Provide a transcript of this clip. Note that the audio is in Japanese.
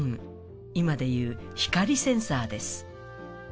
今で言う光センサーです。